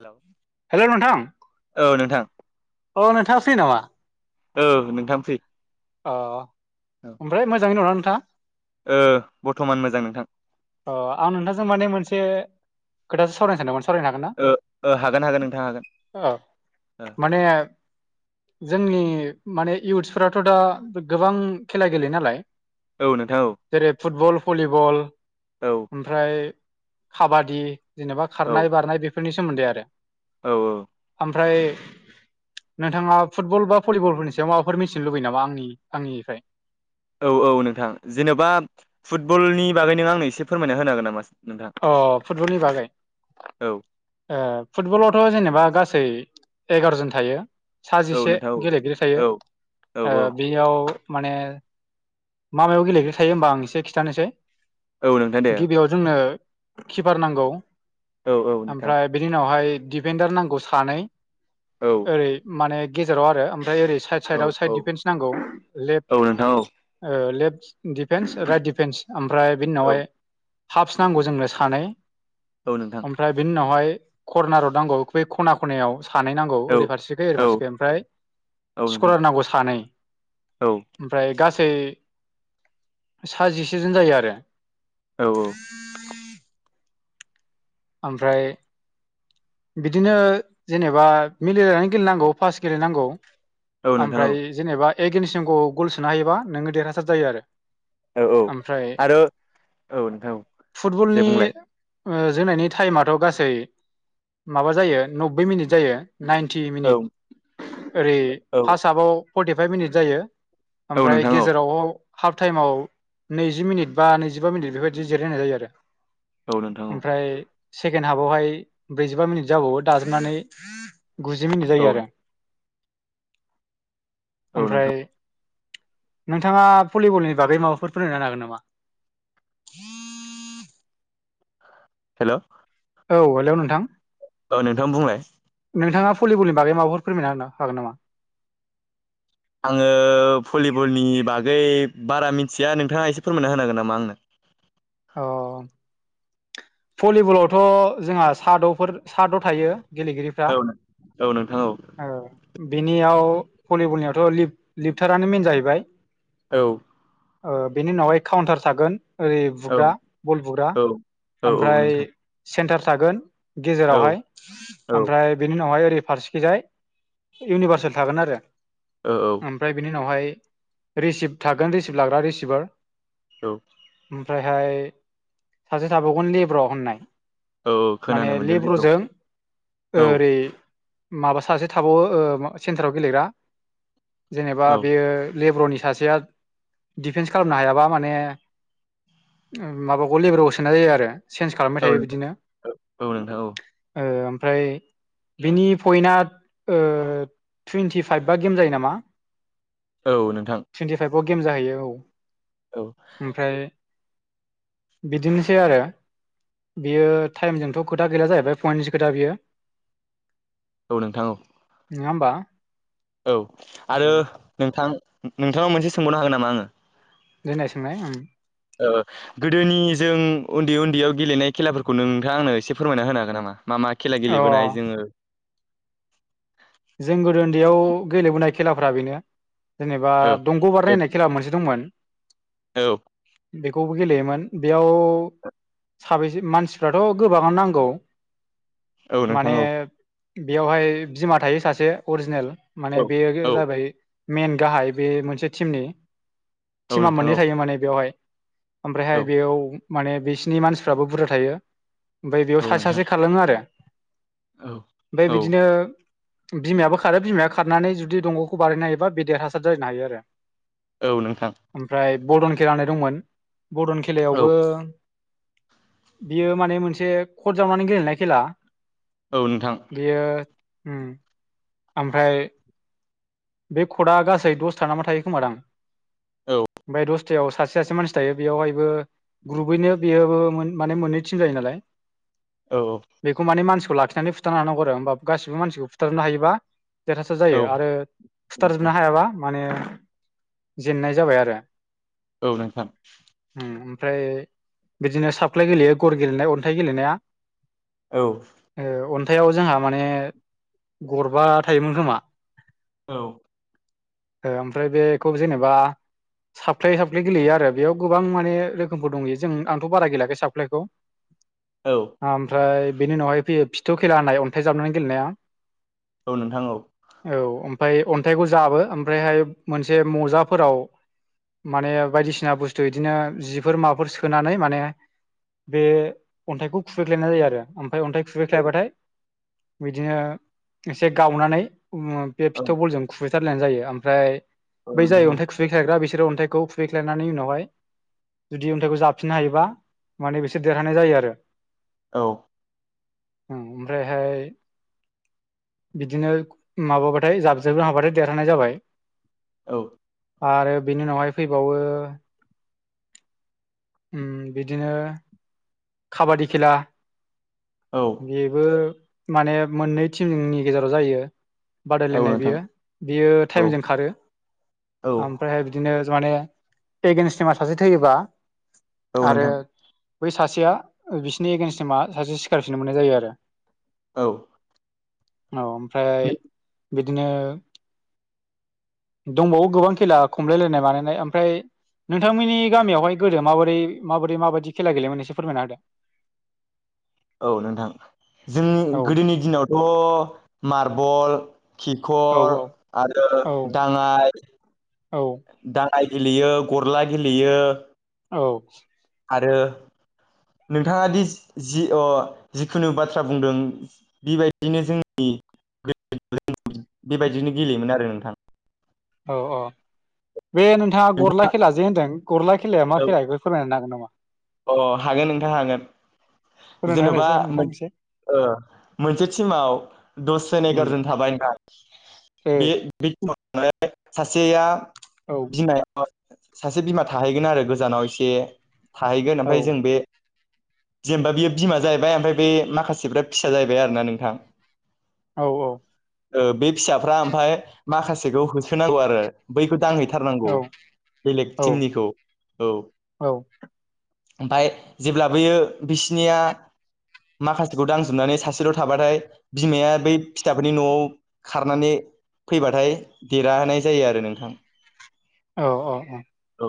Hello hello नोंथां औ नोंथां अ नोंथांआ फिनामा? औ नोंथां फ्रि अ औ ओमफ्राय मोजाङै दङ ना नोंथाङा? ओ बर्थमान मोजां नोंथां अ आं नोंथांजों माने मोनसे खोथासो सावरायनो सानदोंमोन सावरायनो हागोन ना ओ ओ हागोन हागोन नोंथां हागोन औ माने जोंनि माने इउथ्सफोराथ' दा गोबां खेला गेलेयो नालाय औ नोंथां औ जेरै फुटबल, भलिबल औ ओमफ्राय खाबादि जेनेबा खारनाय बारनाय बेफोरनि सोमोन्दै आरो औ औ ओमफ्राय नोंथाङा फुटबल बा भलिबलफोरनि सायाव माबाफोर मिसन लुबैयो नामा आंनि आंनिफ्राय? औ औ नोंथां जेनेबा फुटबलनि बागै नों आंनो एसे फोरमायना होनो हागोन नामा? नोंथां अ फुटबलनि बागै औ फुटबलावथ' जेनेबा गासै एगार'जन थायो औ साजिसे नोंथां औ गेलेगिरि थायो औ औ औ बेयाव माने माबायाव गेलेग्रो थायो होमबा आं एसे खिन्थानोसै औ नोंथां दे गिबियाव जोंनो किपार नांगौ औ औ नोंथां ओमफ्राय बिनि उनावहाय दिडफेडार नांगौ सानै औ ओरै माने गेजेराव आरो ओमफ्राय ओरै साइद औ साइदआव साइद औ डफेन्स नांगौ लेफ्ट औ नोंथां औ ओ लेफ्ट दिफेन्स राइट डिफेन्स ओमफ्राय बिनि औ उनावहाय हाफ्स नांगौ जोंनो सानै औ नोंथां ओमफ्राय बिनि उनावहाय करर्नाराव नांगौ बे खना खनायाव सानै नांगौ औ ओरै फारसेखै ओरै औ फारसेखै ओमफ्राय औ नोंथां स्कलार नांगौ सानै औ ओमफ्राय गासै साजिसे जोन जायो आरो [inaudible] औ ओमफ्राय बिदिनो जेनेबा मिलायनानै गेलेनांगौ पास गेलेनांगौ औ नोंथां ओमफ्राय जेनेबा एकन्सिमखौ गल सोनो हायोबा नोङो देरहासार जायो आरो औ औ ओमफ्राय आरो औ नोंथां औ दे फुटबलनि बुंलाय ओ जोंनायनि टाइमाथ' गासै माबा जायो नब्बै मिनिट जायो नाइन्टि औ मिनिट ओरै औ फार्स्ट आपआव फर्टिफाइभ मिनिट जायो औ ओमफ्राय नोंथां औ गेजेराव हाफ टाइमाव नैजि मिनिट बा नैजिबा मिनिट बेफोरबायदि जिरायनाय जायो आरो औ नोंथां औ ओमफ्राय सेकेणड हाफावहाय ब्रैजिबा मिनिट जाबावो दाजाबनानै गुजि मिनिट औ जायो आरो औ ओमफ्राय नोंथां नोंथाङा भलिबलनि बागै माबाफोर फोरोंनो हागोन नामा? [unintelligible] हेल' औ हेलौ नोंथां औ नोंथां बुंलाय नोंथाङा भलिबलनि बागै माबर फोरमायना हागोन नामा आङो भलिबलनि बागै बारा मिथिया नोंथाङा एसे फोरमायना होनांगोन नामा आंनो औ भलिबलावथ' जोंहा साद'फोर साद' थायो गेलेगिरिफ्रा औ औ नोंथां औ बिनियाव भलिबलनियावथ' लिपथारानो मेन जाहैबाय औ ओ बेनि उनावहाय काउन्टार थागोन ओरै औ ग्ररा बलबुग्रा औ औ औ ओमफ्राय नोंथां सेन्तार थागोन औ गेजेरावहाय औ ओमफ्राय बेनि उनावहाय सागोन गेजेरावहाय ओमफ्राय बेनि उनावहाय फारसेखिजाय इउनिभार्सेल थागोन आरो औ ओमफ्राय बिनि उनावहाय रिसिभ थागोन रिसिभर लाग्रा रिसिभार औ ओमफ्रायहाय सासे थाबावगोन लेब्र' होननाय औ माने खोनानो मोनदों लेब्रौ लेब्र'जों औ ओरै माबा सासे थाबावो सेन्टाराव गेलेग्रा जेनेबा औ बेयो लेब्र'नि सासेया दिफेन्स खालामनो हायाबा माने माबाखौ लेब्राव सोनाय जायो आरो चेन्ज खालामबाय औ थायो बिदिनो औ नोंथां ओमफ्राय बिनि पइन्टआ ओ टुइन्टि फाइभ बा गेम जायो नामा औ नोंथां ब बाव गेम जाहैयो औ औ ओमफ्राय बिदिनोसै आरो बियो टाइमजोंथ खोथा गैला जाहैबाय पइन्टनि सो खोथा बियो औ नोंथां औ नङा होम्बा औ आरो नोंथां नोंथाङनाव मोनसे सोंबरनो हागोन नामा आङो देनाय सोंनाय गोदोनि जों उन्दै उन्दैयाव गेलेनाय खेलाफोरखौ नोंथाङा आंनो एसे फोरमायना होनो हागोन नामा? मा मा खेला अ गेलेबोनाय जोङो दैयाव गेलेबोनाय खेलाफोरा बेनो जेनेबा औ दंग' बार दे नायनाय खेला मोनसे दंमोन औ बेखौबो गेलेयोमोन बेयाव साबैसे मानसिफ्राथ' गोबाङानो नांगौ औ नोंथां माने औ बेयावहाय बिमा थायो सासे अरिजिनेल माने औ बेयो औ जाबाय मइेन गाहाय बे मोनसे टिमनि औ टिमा नोंथां औ मोननै थायो माने बेवहाय औ ओमफ्रायहाय बेयाव माने बिसिनि मानसिफ्राबो बुरजा थायो ओमफ्राय बेयाव औ सासे नोंथां सासे खारलाङो आरो औ ओमफ्राय औ बिदिनो बिमायाबो खारो बिमाया खारनानै जुदि दंग'खौ बारहैनो हायोबा बे देरहासार जनो हायो आरो औ नोंथां बडन खेला होननाय दंमोन बडन औ खेलायावबो बियो माने मोनसे कट जावनानै गेलेनाय खेला औ नोंथां बियो ओमफ्राय बे खदआ गासै दसथा नामा थायो खोमा दां औ ओमफ्राय दस खुताव सासे सासे मानसि थायो बेयावहायबो ग्रुबैनो बेयोबो मोन माने मोननै टिम जायो नालाय बेखौ माने मानसिखौ लाखिनानै फुथारनो हानांगौ आरो होमबा गासिबो मानसिखौ बुथारनो हायोबा देरहासार औ जायो आरो सुथारजोबनो हायाबा माने जेननाय जाबाय आरो औ नोंथां उम ओमफ्राय बिदिनो साफ्लाय गेलेयो गर गेलेनाय अन्थाइ गेलेनाया औ औ अन्थायाइाव जोंहा माने गरबा थायोमोन खोमा औ ओमफ्राय बेखौ जेनेबा साफ्लाय साफ्ले गेलेयो आरो बेयाव गोबां माने रोखोमफोर दं जों आंथ' बारा गेलेयाखै साफ्लायखौ ओमफ्राय बेनि उनावहाय फैयो फिथु खेला होनाय अन्थाइ जाबनानै गेलेनाया औ नोंथां औ औ ओमफ्राय अन्थाइखौ जाबो ओमफ्रायहाय मोनसे मजाफोराव माने बायदिसिना बुस्थु बिदिनो जिफोर माबाफोर सोनानै माने बे अन्थाइखौ खुबैग्लायनाय जायो आरो । फाय अन्थाइ औ खुबैख्लायबाथाय बिदिनो एसे गावनानै बे औ फिथोव बलजजों खुबैथारलायनाय जायो ओमफ्राय औ बै नोंथां जायै अन्थाइ औ खुबैथारायग्रा बे खिर अन्थाइखौ खुबफैख्लायनानै उनावहाय जुदि अन्थाइखौ जाफिननो हायोबा माने बिसोर देरहानाय जायो आरो। औ। ओं ओमफ्रायहाय। बिदिनो माबाबाथाय जाबजोबनो हाबाथाय देरहानाय जाबाय। औ। आरो बेनि उनावहाय फैबावो उम बिदिनो खाबादि खेला औ बेबो। माने मोननै टिमनि गेजेराव जायो। औ बादायलायनाय नोंथां बियो बियो औ टाइमजों खारो औ ओमफ्रायहाय बिदिनो माने एगेन्स थिमा सासे थैयोबा। औ आरो नोंथां। बै सासेया बिसोरनि एगेन्स्टनि मा सासे सिखारफिननो मोननाय जायो आरो। औ। औ ओमफ्राय बिदिनो दंबावो गोबां खेला खमलायलायनाय मालायनाय ओमफ्राय नोंथांमोननि गामियावहाय गोदो माबोरै माबोरै माबायदि खेला गेलेयोमोन एसे फोरमायना होदो। औ नोंथां जोंनि होदो गोदोनि दिनावथ' मार्बल। औ खिखर आरो औ दाङाय औ दा माइ गेलेयो गरला गेलेयो। औ। आरो नोंथाङा दि जि अ जिखुनु बाथ्रा बुंदों बिबायदिनो जोंनि [unintelligible] बेबायदिनो गेलेयोमोन आरो नोंथां। औ औ। बे नोंथाङा गरला खेला जे होनदों गरला खेलाया मा खेला बेखौ फोरमायनो नागोन नामा? अ हागोन नोंथां हागोन। फोरमायना होलाय जेन'बा एसे नोंथां एसे । ओ मोनसे टिमाव दसजोन उम एगार'जन थाबाय नोंथां। बे बे समावनो सासेया ओ बिमाया सासे बिमा थाहैगोन आरो गोजानाव एसे थाहैगोन औ ओमफ्राय जों बे जेनेबा बियो बिमा जाहैबाय ओमफ्राय बे माखासेफ्रा फिसा जाहैबाय आरोना नोंथां। औ औ। ओ बे फिसाफ्रा ओमफफ्राय माखासेखौ होसोनांगौ आरो बैखौ दांहै थाथारनांगौ औ बेलेग औ टिमनिखौ औ। औ ओमफ्राय जेब्लाबोयो बिसिनिया माखासेखौ दांजोबनानै सासेल' थाबाथाय बिमाया बै फिसाफोरनि न'आव खारनानै फैबाथाय देरहाहोनाय जायो आरो नोंथां। औ औ औ। औ।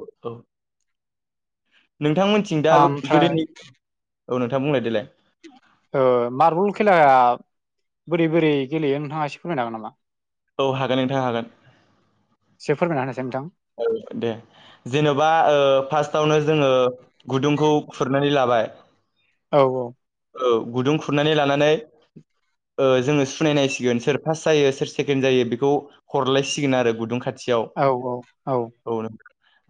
नोंथांमोनथिं दा ओमफ्राय गोदोनि औ नोंथां बुंलाय देलाय। ओ मारबल खेलाया। बोरै बोरै गेलेयो नोंथाङा एसे फोरमायनो हागोन नामा? औ हागोन नोंथाङा हागोन। एसे फोरमायन होनायसाय नोंथां। औ दे जेनेबा ओ फार्स्टआवनो जोङो गुदुंखौ खुरनानै लाबाय। [unintelligible] औ औ औ गुदुं खुरनानै लानानै जोङो सुनायसिगोन सोर फार्स्ट जायो सोर सेकेणड जायो बेखौ हरलायसिगोन आरो गुदुं खाथि औ औ औ न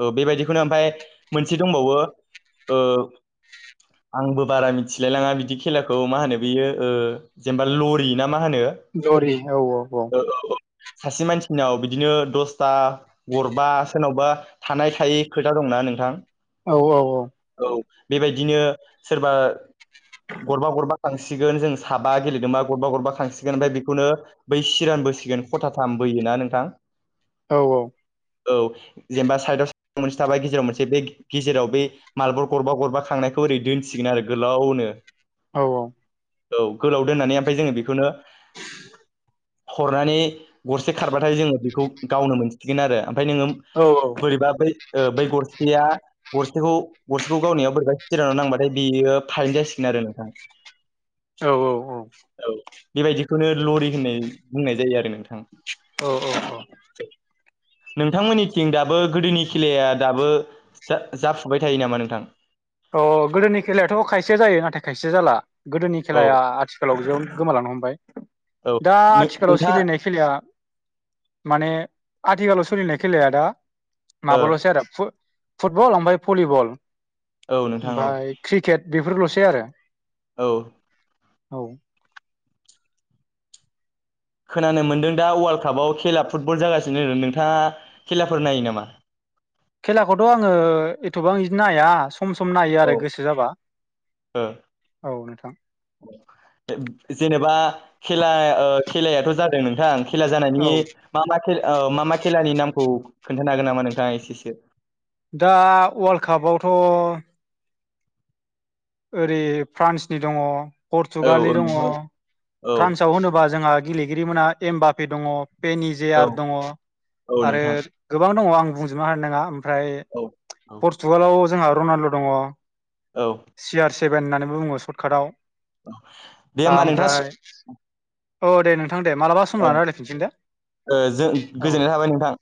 औ बेबायदिखौनो ओमफाय मोनसे दंबावो ओ आंबो बारा मिथिलायलाङा बिदि खेलाखौ मा होनो बियो ओ जेनेबा लरि ना मा मा होनो ओ औ औ सासे मानसिनाव बिदिनो दसथा गर बा सोरनावबा थानाय थायि खोथा दंना नोंथां। औ औ औ औ बेबायदिनो सोरबा गरबा गरबा खांसिगोन जों साबा गेलेदोंबा गरबा गरबा खांसिगोन ओमफ्राय बेखौनो बै सिरानबोसिगोन खथाथाम बोयोना नोंथां? औ औ औ जेनेबा साइडआव मोनसे थाबाय गेजेराव मोनसे बे गेजेराव बे मार्बल गरबा गरबा खांनायखौ बेखौ ओरै दोनसिगोन आरो गोलावनो। औ औ औ गोलाव दोननानै ओमफाय जोङो बेखौनो [inaudible] हरनानै गरसे खारबाथाय जोङो बेखौ गावनो मोनसिगोन आरो। ओमफाय नोङो औ बोरैबा बै बै गरसेया गरसेखौ गरसेखौ गावनियाव बोरैबा सिरावनानै नांबाथाय बेयो फाइन जासिगोन आरो नोंथाङा। औ औ औ बेबायदिखौनो लरि होननाय बुंनाय जायो आरो नोंथां। औ औ औ नोंथांमोननिथिं दाबो गोदोनि खेलाया दाबो जा-जाफुबाय थायो नामा नोंथां? अ गोदोनि खेलायाथ' खायसे जायो नाथाय खायसे जाला। गोदोनि औ खेलाया आथिखालाव जोब गोमालांनो हमबाय। औ दा आथिखालाव नोंथाङा सोलिनाय खेलाया माने आथिखालाव सोलिनाय खेलाया दा ओ माबाल'सै आरो फुटबल ओमफ्राय भलिबल। औ नोंथां औ ओमफाय क्रिकेट बेफोरल'सै आरो‌। औ औ खोनानो मोन्दों दा वाल्ड कापआव खेला फुटबल जागासिनो नोंथाङा खेलाफोर नायो नामा? खेलाखौथ' आङो एथ'बां इदि नाया सम सम नायो औ आरो गोसो जाबा। ओ औ नोंथां जेनेबा खेला खेलायाथ' जादों नोंथां खेला जानायनि औ मा मा खे ओ मा मा खेलानि नामखौ खोन्थानो हागोन नामा नोंथाङा एसेसो? दा वर्ल्डकपावथ' ओरै फ्रान्सनि दङ औ पर्तुगालनि औ दङ नोंथां औ फ्रान्सआव होनोबा जोंहा गेलेगिरि मोनहा एम बाप्पे दङ। औ पेनिजेयार दङ औ आरो नोंथां गोबां दङ आं बुंजोबनो हानाय नोङा ओमफ्राय औ औ पर्तुगालाव जोंहा रनाल्द' दङ औ सि आर सेभेन होननानैबो बुङो सर्ट काटाव। दे होमबा नोंथां स औ दे नोंथां दे मालाबा सम लाना रायज्लायफिनसिगोन दे। ओ जों औ गोजोननाय थाबाय नोंथां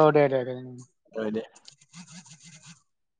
औ दे दे दे। ओ दे। [inaudible]